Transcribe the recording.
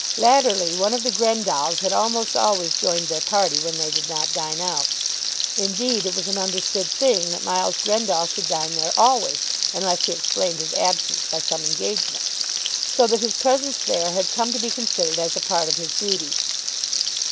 Latterly one of the Grendalls had almost always joined their party when they did not dine out. Indeed, it was an understood thing, that Miles Grendall should dine there always, unless he explained his absence by some engagement, so that his presence there had come to be considered as a part of his duty.